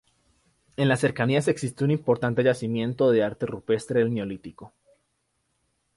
En las cercanías existe un importante yacimiento de arte rupestre del Neolítico.